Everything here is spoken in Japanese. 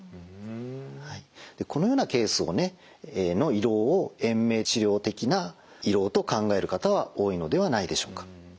でこのようなケースの胃ろうを延命治療的な胃ろうと考える方は多いのではないでしょうか。